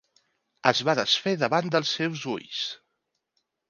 Es va desfer davant dels seus ulls.